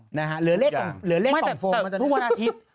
เหลือเลขต่อมโฟมมันจะได้